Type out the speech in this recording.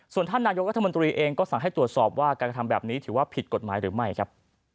ส่วนท่านนายกรัฐมนตรีเองก็สั่งให้ตรวจสอบว่าการกระทำแบบนี้ถือว่าผิดกฎหมายหรือไม่ครับ